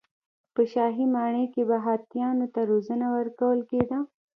په شاهي ماڼۍ کې به هاتیانو ته روزنه ورکول کېده.